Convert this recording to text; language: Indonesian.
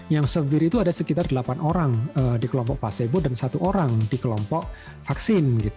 yang severe itu ada sekitar delapan orang di kelompok placebo dan satu orang di kelompok vaksin